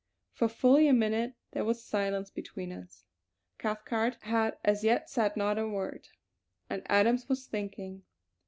For fully a minute there was silence between us. Cathcart had as yet said not a word, and Adams was thinking.